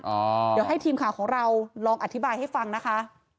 เดี๋ยวให้ทีมข่าวของเราลองอธิบายให้ฟังนะคะ